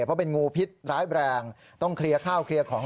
เพราะเป็นงูพิษร้ายแรงต้องเคลียร์ข้าวเคลียร์ของ